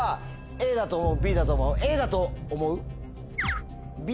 Ａだと思う。